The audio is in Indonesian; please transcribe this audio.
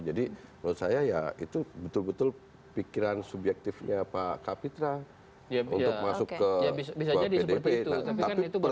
jadi menurut saya ya itu betul betul pikiran subjektifnya pak kapitra untuk masuk ke pdip